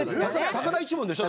高田一門でしょ？